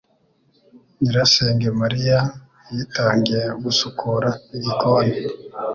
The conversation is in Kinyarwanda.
Nyirasenge Mariya yitangiye gusukura igikoni